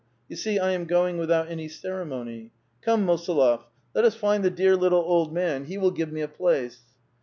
You see I am going without any ceremony. Come, Mosolof, let us find the dear little old man ;, he will give ine a place."